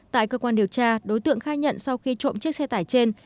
tại cơ quan điều tra đối tượng khai nhận sau khi trộm chiếc xe tải trên